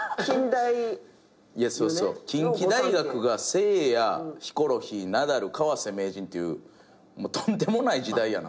そうそう近畿大学がせいやヒコロヒーナダル川瀬名人っていうとんでもない時代やな。